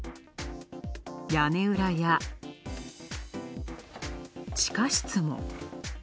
屋根裏や、地下室も。